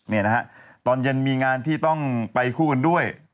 นี่นะฮะตอนเย็นมีงานที่ต้องไปคู่กันด้วย